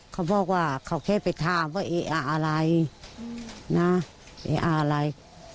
เขาบอกว่าเขาแค่ไปถามว่าไอ้อาลัยนะไอ้อาลัย